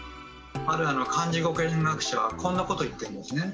ある漢字語源学者はこんなことを言ってるんですね。